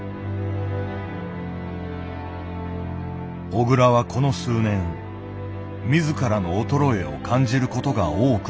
小倉はこの数年自らの衰えを感じることが多くなった。